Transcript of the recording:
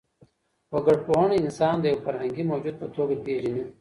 وګړپوهنه انسان د يو فرهنګي موجود په توګه پېژني.